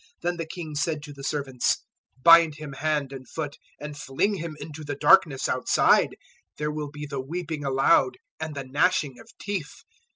Then the king said to the servants, "`Bind him hand and foot and fling him into the darkness outside: there will be the weeping aloud and the gnashing of teeth.'